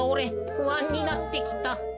ふあんになってきた。